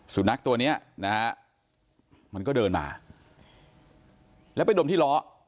สุนัขตัวเนี้ยนะฮะมันก็เดินมาแล้วไปดมที่ล้อ